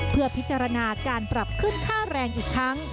เพื่อพิจารณาการปรับขึ้นค่าแรงอีกครั้ง